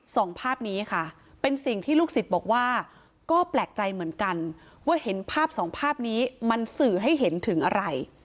สองภาพนี้ค่ะเป็นสิ่งที่ลูกศิษย์บอกว่าก็แปลกใจเหมือนกันว่าเห็นภาพสองภาพนี้มันสื่อให้เห็นถึงอะไร